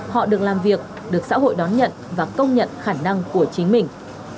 họ được làm việc được xã hội đón nhận và công nhận khả năng của chính mình